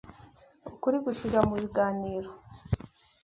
Ukuri gushirira mu biganiro